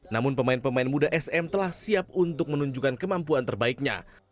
namun pemain pemain muda sm telah siap untuk menunjukkan kemampuan terbaiknya